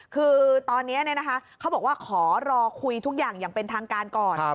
คือตอนนี้เขาบอกว่าขอรอคุยทุกอย่างอย่างเป็นทางการก่อน